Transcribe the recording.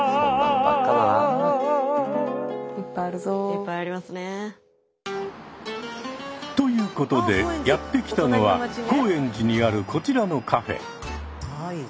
いっぱいありますね。ということでやって来たのは高円寺にあるこちらのカフェ。